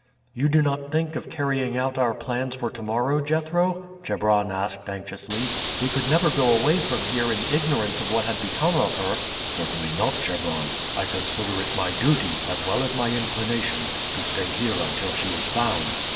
"You do not think of carrying out our plans for to morrow, Jethro?" Chebron asked anxiously. "We could never go away from here in ignorance of what had become of her." "Certainly not, Chebron. I consider it my duty, as well as my inclination, to stay here until she is found.